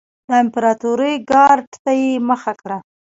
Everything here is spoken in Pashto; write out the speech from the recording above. د امپراتورۍ ګارډ ته یې مخه کړه.